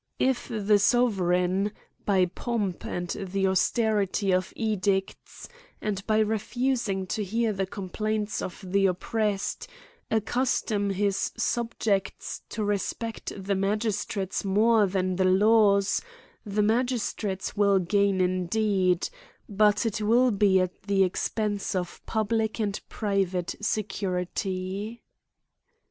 If the sovereign, by pomp and the austerity of edicts, and by refusing to hear the complaints of the oppressed, accustom his subjects to respect the magistrates more than the laws, the magistrates will gain indeed, but it will be at the expense of public and private security.